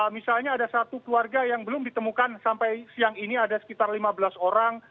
misalnya ada satu keluarga yang belum ditemukan sampai siang ini ada sekitar lima belas orang